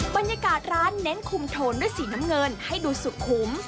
บรรยากาศร้านเน้นคุมโทนด้วยสีน้ำเงินให้ดูสุขุม